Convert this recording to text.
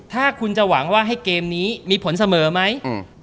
ถ้าคุณจะหวังว่าให้เกมนี้มีผลเสมอไหม